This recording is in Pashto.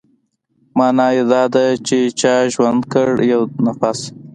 مانا يې داسې ده چې چا چې ژوندى کړ يو نفس.